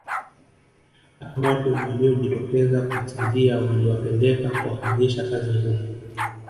Hata wale waliojitokeza kuwasaidia waliwapeleka kuwafanyisha kazi ngumu